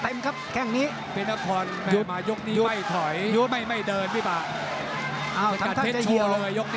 รับเลย